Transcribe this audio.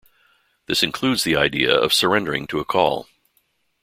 This includes the idea of surrendering to a call.